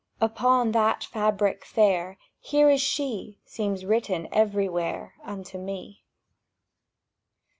Upon that fabric fair "Here is she!" Seems written everywhere Unto me.